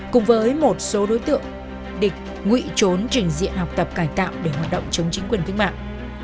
cùng với một số đối tượng địch ngụy trốn trình diện học tập cải tạo để hoạt động chống chính quyền cách mạng